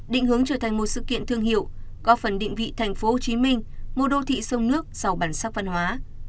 định hướng trở thành một sự kiện thương hiệu góp phần định vị tp hcm một đô thị sông nước giàu bản sắc văn hóa